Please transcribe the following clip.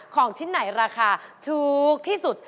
ของชิ้นไหนราคาถูกที่สุด